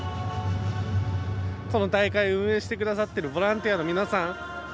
この大会を運営してくださっているボランティアの皆さん。